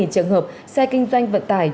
ba mươi trường hợp xe kinh doanh vận tải